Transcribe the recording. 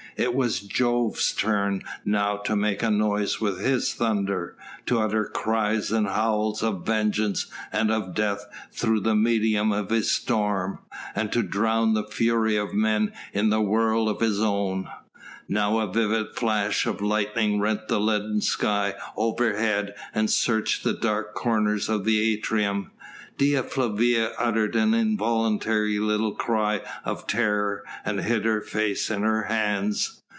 It was Jove's turn now to make a noise with his thunder, to utter cries and howls of vengeance and of death through the medium of his storm, and to drown the fury of men in the whirl of his own. Now a vivid flash of lightning rent the leaden sky overhead and searched the dark corners of the atrium. Dea Flavia uttered an involuntary little cry of terror, and hid her face in her hands.